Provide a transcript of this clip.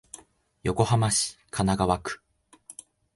横浜市神奈川区